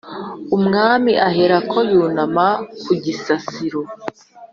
Umwami aherako yunama ku gisasiro